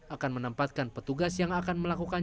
akan menempatkan petugas yang akan melakukan